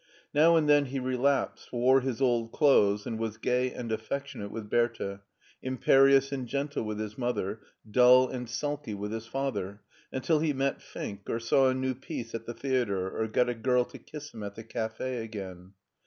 Now and then he relapsed, wore his old clothes, and was gay and affectionate with Bertha, imperious and gentle with his mother, dull and sulky with his father, until he met Fink, or saw a new piece at the theater, or got a girl to kiss him at the cafe again.